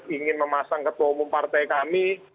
ingin memasang ketua umum partai kami